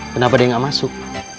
kenapa dia gak masuk